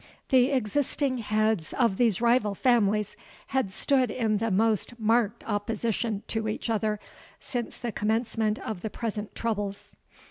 The existing heads of these rival families had stood in the most marked opposition to each other since the commencement of the present troubles.